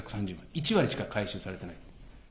１割しか回収されていない。